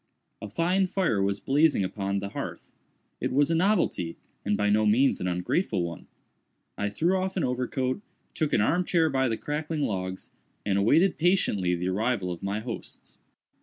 A fine fire was blazing upon the hearth. It was a novelty, and by no means an ungrateful one. I threw off an overcoat, took an arm chair by the crackling logs, and awaited patiently the arrival of my hosts.